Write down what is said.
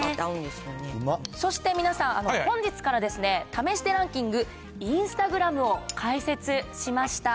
そして皆さん、本日から試してランキング、インスタグラムを開設しました。